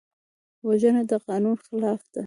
وژنه د قانون خلاف ده